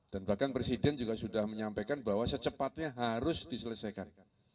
dan bahkan presiden juga sudah menyampaikan bahwa secepatnya harus diselesaikan